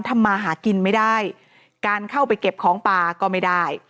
ทำมาหากินไม่ได้การเข้าไปเก็บของป่าก็ไม่ได้